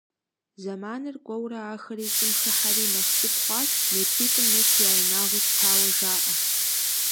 Зэманыр кӀуэурэ ахэри щӀым хыхьэри нэхъ цӀыкӀу хъуащ, метритӀым нэс я инагъыу щытауэ жаӀэ.